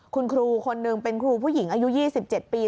คุณครูคนหนึ่งเป็นครูผู้หญิงอายุ๒๗ปี